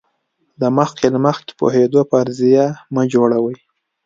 د مخکې له مخکې پوهېدو فرضیه مه جوړوئ.